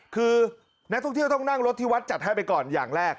คือนักท่องเที่ยวต้องนั่งรถที่วัดจัดให้ไปก่อนอย่างแรก